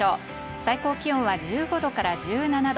最高気温は１５度から１７度。